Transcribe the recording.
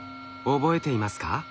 覚えていますか？